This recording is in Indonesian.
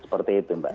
seperti itu mbak